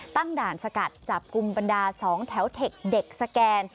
ตั้งด่านสกัดจับกลุ่มบรรดา๒แถวเทคเด็กสแกน